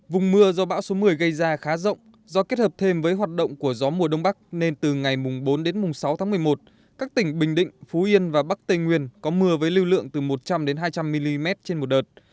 vùng mưa do bão số một mươi gây ra khá rộng do kết hợp thêm với hoạt động của gió mùa đông bắc nên từ ngày bốn đến sáu tháng một mươi một các tỉnh bình định phú yên và bắc tây nguyên có mưa với lưu lượng từ một trăm linh hai trăm linh mm trên một đợt